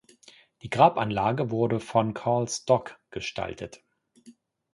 Die Grabanlage wurde von Carl Stock gestaltet.